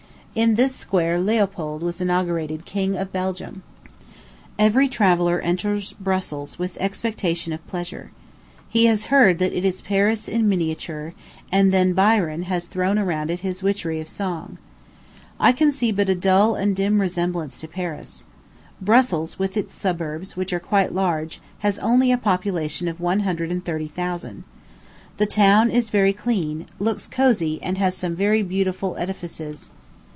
In this square Leopold was inaugurated King of Belgium. Every traveller enters Brussels with expectation of pleasure. He has heard that it is Paris in miniature; and then Byron has thrown around it his witchery of song. I can see but a dull and dim resemblance to Paris. Brussels, with its suburbs, which are quite large, has only a population of one hundred and thirty thousand. The town is very clean, looks cosy, and has some very beautiful edifices.